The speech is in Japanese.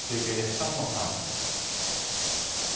勝野さん。